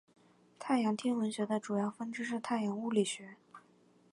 太阳天文学的主要分支是太阳物理学。